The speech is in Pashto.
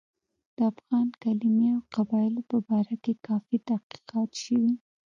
د افغان کلمې او قبایلو په باره کې کافي تحقیقات شوي.